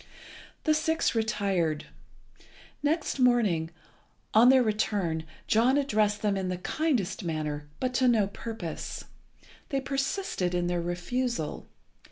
The six retired. Next morning, on their return, John addressed them in the kindest manner, but to no purpose. They persisted in their refusal.